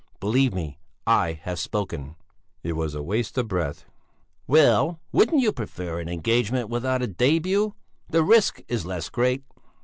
believe me. I have spoken." It was a waste of breath. "Well, wouldn't you prefer an engagement without a début? The risk is less great."